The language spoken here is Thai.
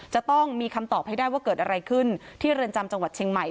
จะต้องมีคำตอบให้ได้ว่าเกิดอะไรขึ้นที่เรือนจำจังหวัดเชียงใหม่